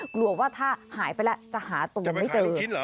กลัวว่าถ้าหายไปแล้วจะหาตัวไม่เจอ